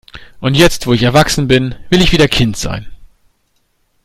Und jetzt, wo ich erwachsen bin, will ich wieder Kind sein.